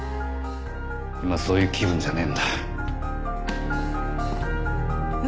今そういう気分じゃねえんだ。